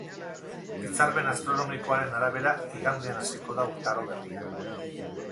Hitzarmen astronomikoaren arabera, igandean hasiko da urtaro berria.